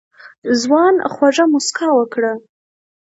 ځوان خوږه موسکا وکړه.